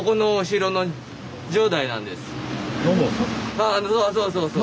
あそうそうそうそう。